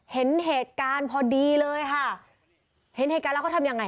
เห็นเหตุการณ์พอดีเลยค่ะเห็นเหตุการณ์แล้วเขาทำยังไง